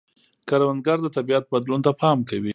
کروندګر د طبیعت بدلون ته پام کوي